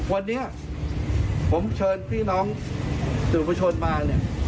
วันนี้ผมเชิญพี่น้องสูญผชนมา